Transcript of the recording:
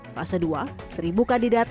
fase dua seribu kandidat